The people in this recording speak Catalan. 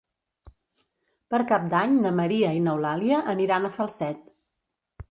Per Cap d'Any na Maria i n'Eulàlia aniran a Falset.